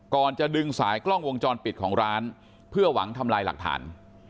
ก่อนจะดึงสายกล้องวงจรปิดของร้านเพื่อหวังทำลายหลักฐาน